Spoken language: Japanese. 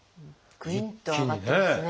グインと上がってますね。